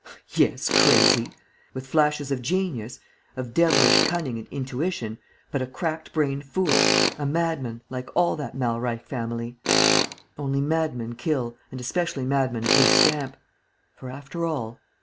"Yes, crazy! With flashes of genius, of devilish cunning and intuition, but a crack brained fool, a madman, like all that Malreich family. Only madmen kill and especially madmen of his stamp. For, after all